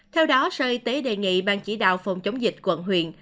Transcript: theo đó sở y tế đề nghị ban chỉ đạo phòng chống dịch quận huyện